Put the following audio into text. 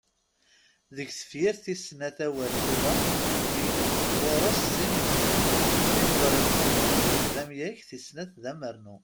Deg tefyirt tis snat, awal "tura" ɣur-s sin yismilen: Timeḍriwt tamenzut d amyag, tis snat d amernu.